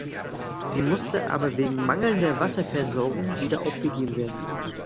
Sie musste aber wegen mangelnder Wasserversorgung wieder aufgegeben werden.